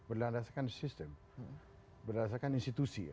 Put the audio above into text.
berdasarkan sistem berdasarkan institusi